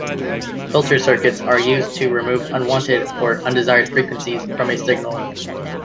Filter circuits are used to remove unwanted or undesired frequencies from a signal.